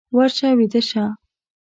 ورشه ويده شه!